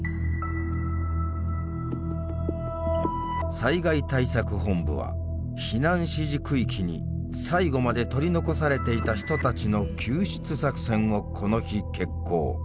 災害対策本部は避難指示区域に最後まで取り残されていた人たちの救出作戦をこの日決行。